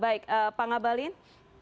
baik pak ngabalin